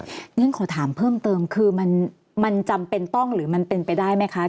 เพราะฉะนั้นขอถามเพิ่มเติมคือมันจำเป็นต้องหรือมันเป็นไปได้ไหมคะ